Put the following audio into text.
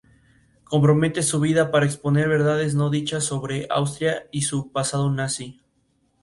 Compromete su vida para exponer verdades no dichas sobre Austria y su pasado Nazi.